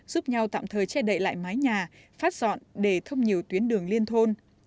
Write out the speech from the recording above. giúp nhau tạm thời che đậy lại mái nhà phát dọn để thông nhiều tuyến đường liên thôn